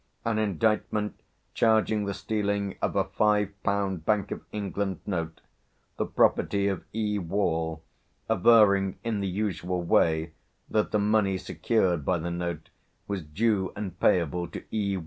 An indictment charging the stealing of a £5 Bank of England note, the property of E. Wall, averring, in the usual way, that the money secured by the note was due and payable to E.